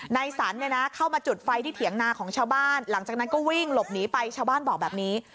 สันเนี่ยนะเข้ามาจุดไฟที่เถียงนาของชาวบ้านหลังจากนั้นก็วิ่งหลบหนีไปชาวบ้านบอกแบบนี้